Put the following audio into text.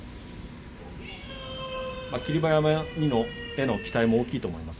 霧馬山にも期待が大きいと思います。